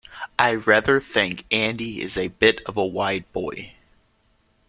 I rather think Andy is a bit of a wide boy.